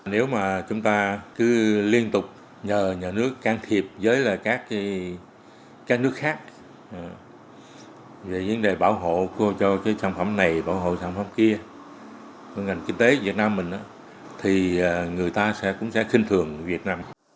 nếu mà chúng ta cứ liên tục nhờ nhà nước can thiệp với các nước khác về vấn đề bảo hộ cho cái sản phẩm này bảo hộ sản phẩm kia của ngành kinh tế việt nam mình thì người ta sẽ cũng sẽ kinh thường việt nam